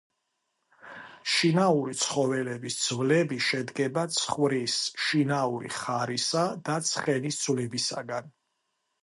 შინაური ცხოველების ძვლები შედგება ცხვრის, შინაური ხარისა და ცხენის ძვლებისაგან.